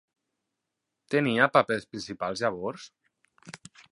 Tenia papers principals llavors?